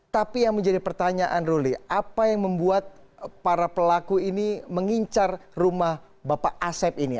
tapi yang menjadi pertanyaan ruli apa yang membuat para pelaku ini mengincar rumah bapak asep ini